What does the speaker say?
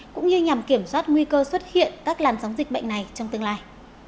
cũng như nhằm kiểm soát nguy cơ xuất hiện các làn sóng dịch bệnh này trong tương lai